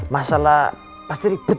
masalah pasti ribet